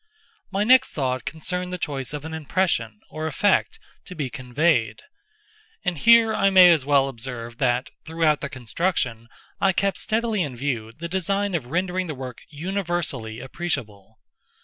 My next thought concerned the choice of an impression, or effect, to be conveyed : and here I may as well observe that, throughout the construction, I kept steadily in view the design of rendering the work universally appreciable.